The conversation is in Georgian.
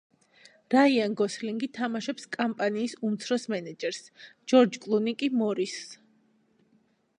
რაიან გოსლინგი თამაშობს კამპანიის უმცროს მენეჯერს, ჯორჯ კლუნი კი მორისს.